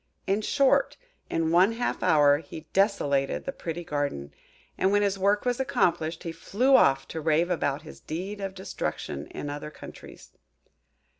In short, in one half hour he desolated the pretty garden; and when his work was accomplished, he flew off to rave about his deed of destruction in other countries.